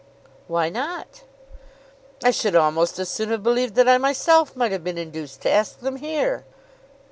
"Why not?" "I should almost as soon have believed that I myself might have been induced to ask them here."